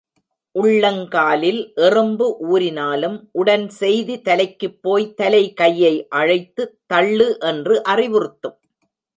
உள்ளங் காலில் எறும்பு ஊரினாலும் உடன் செய்தி தலைக்குப் போய் தலை கையை அழைத்து தள்ளு என்று அறிவுறுத்தும்.